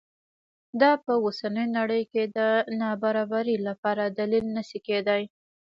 دا په اوسنۍ نړۍ کې د نابرابرۍ لپاره دلیل نه شي کېدای.